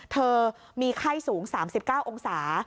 เธอมีไข้สูง๓๙องศา